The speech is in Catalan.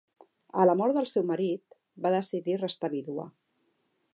A la mort del seu marit, va decidir restar vídua.